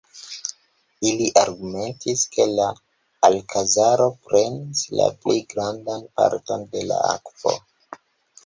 Ili argumentis, ke la Alkazaro prenis la pli grandan parton de la akvo.